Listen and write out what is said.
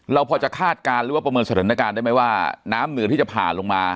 เราพอจะคาดการณ์หรือว่าประเมินสถานการณ์ได้ไหมว่าน้ำเหนือที่จะผ่านลงมา